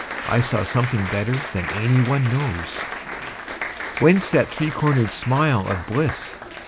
I saw something better than any one knows. Whence that three cornered smile of bliss?